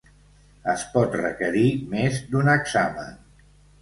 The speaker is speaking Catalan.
Es pot requerir més d'un examen.